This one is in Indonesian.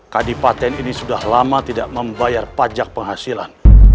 kadipaten ini sudah lama tidak membayar pajak penghasilan